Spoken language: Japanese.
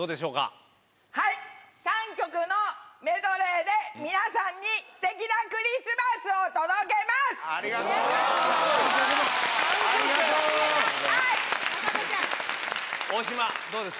はい、３曲のメドレーで皆さんにすてきなクリスマスを届けます。